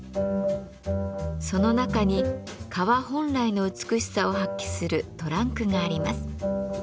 その中に革本来の美しさを発揮するトランクがあります。